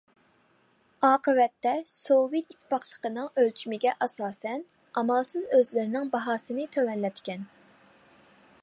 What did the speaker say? ئاقىۋەتتە سوۋېت ئىتتىپاقىنىڭ ئۆلچىمىگە ئاساسەن ئامالسىز ئۆزلىرىنىڭ باھاسىنى تۆۋەنلەتكەن.